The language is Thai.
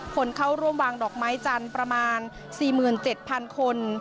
คนเข้าร่วมวางดอกไม้จันทร์ประมาณ๔๗๐๐คน